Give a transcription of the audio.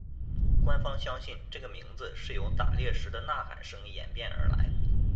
官方相信这个名字是由打猎时的呐喊声演变而来。